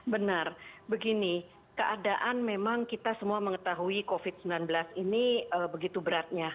benar begini keadaan memang kita semua mengetahui covid sembilan belas ini begitu beratnya